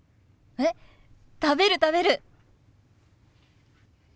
えっ食べる食べる！